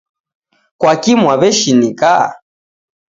Kwaki Mwaw'eshinika?